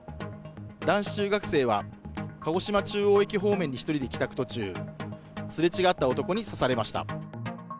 男子中学生は、鹿児島中央駅方面に１人で帰宅途中、すれ違った男に刺されました。